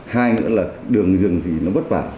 hai nữa là đường rừng thì nó vất vả